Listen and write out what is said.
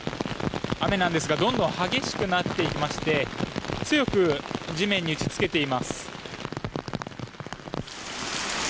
雨なんですがどんどん激しくなっていまして強く地面に打ちつけています。